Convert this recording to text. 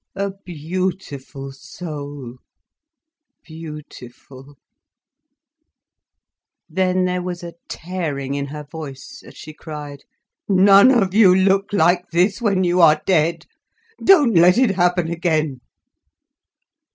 A beautiful soul, beautiful—" Then there was a tearing in her voice as she cried: "None of you look like this, when you are dead! Don't let it happen again."